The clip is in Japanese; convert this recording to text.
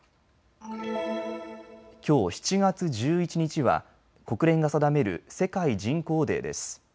きょう７月１１日は国連が定める世界人口デーです。